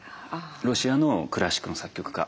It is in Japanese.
ロシアのクラシックの作曲家